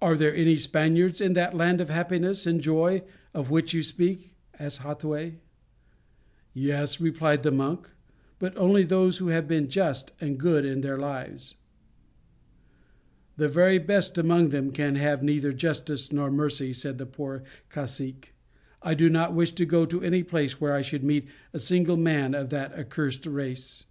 "Are there any Spaniards in that land of happiness and joy of which you speak?" asked Hattuey. "Yes," replied the monk, "but only those who have been just and good in their lives." "The very best among them can have neither justice nor mercy!" said the poor cacique, "I do not wish to go to any place where I should meet a single man of that accursed race."